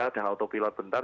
udah autopilot bentar